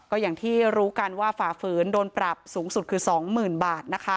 ก็อย่างที่รู้กันว่าฝ่าฝืนโดนปรับสูงสุดคือ๒๐๐๐บาทนะคะ